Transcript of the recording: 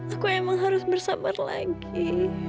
aku emang harus bersabar lagi